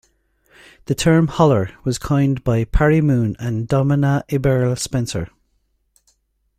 The term "holor" was coined by Parry Moon and Domina Eberle Spencer.